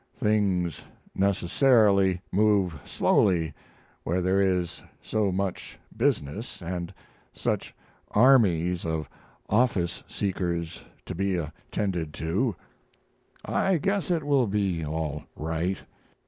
Things necessarily move slowly where there is so much business and such armies of office seekers to be attended to. I guess it will be all right.